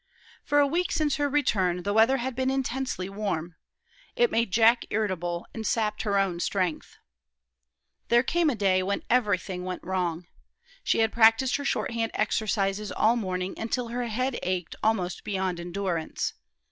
For a week since her return the weather had been intensely warm. It made Jack irritable, and sapped her own strength. There came a day when everything went wrong. She had practiced her shorthand exercises all morning, until her head ached almost beyond endurance.